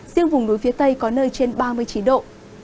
riêng vùng núi phía tây có nơi trên ba mươi chín độ